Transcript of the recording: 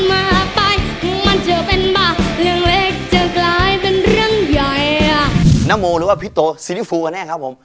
น้าโมหรือว่าพี่โตศิริฟูอันนี้ครับผม